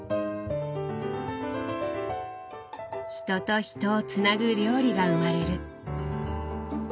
人と人をつなぐ料理が生まれる。